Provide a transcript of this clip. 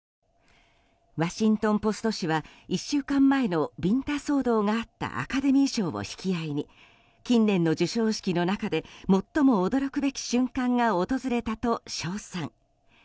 ワシントン・ポスト紙は１週間前のビンタ騒動があったアカデミー賞を引き合いに近年の授賞式の中で最も驚くべき瞬間が訪れたと称賛。